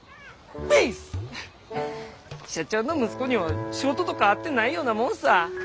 ピース！社長の息子には仕事とかあってないようなもんさぁ！